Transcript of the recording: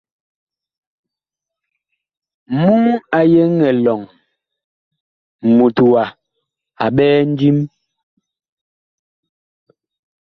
Muŋ a yeŋ elɔŋ mut wa a ɓɛɛ ndim.